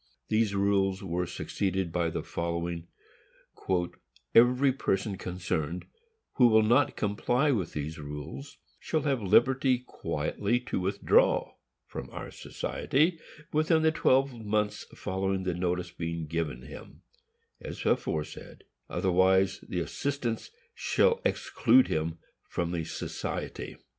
These rules were succeeded by the following: Every person concerned, who will not comply with these rules, shall have liberty quietly to withdraw from our society within the twelve months following the notice being given him, as aforesaid; otherwise the assistants shall exclude him from the society.